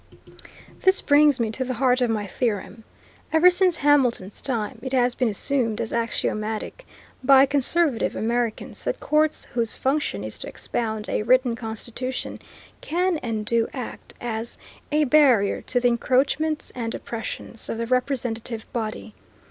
This brings me to the heart of my theorem. Ever since Hamilton's time, it has been assumed as axiomatic, by conservative Americans, that courts whose function is to expound a written constitution can and do act as a "barrier to the encroachments and oppressions of the representative body."